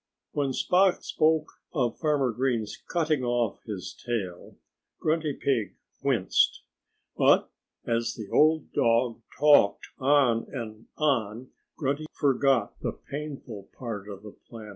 When Spot spoke of Farmer Green's cutting off his tail, Grunty Pig winced. But as the old dog talked on and on Grunty forgot the painful part of the plan.